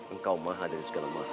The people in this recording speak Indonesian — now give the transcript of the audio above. engkau maha dari segala maha